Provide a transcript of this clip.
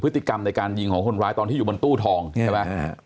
พฤติกรรมในการยิงของคนร้ายตอนที่อยู่บนตู้ทองใช่ไหม